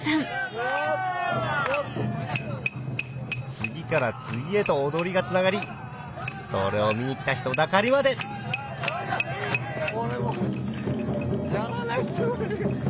次から次へと踊りがつながりそれを見にきた人だかりまで俺やらないつもりで。